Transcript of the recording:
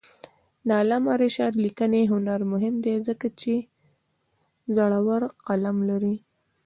د علامه رشاد لیکنی هنر مهم دی ځکه چې زړور قلم لري.